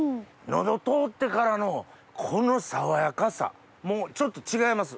喉通ってからのこの爽やかさもうちょっと違います。